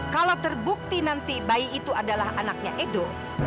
kalau terbukti nanti bayi itu adalah anaknya edo